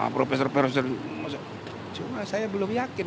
profesor profesor cuma saya belum yakin